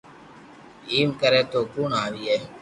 ايم ڪري تو ڪوڻ آوئي